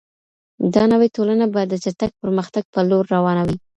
دا نوې ټولنه به د چټک پرمختګ په لور روانه وي.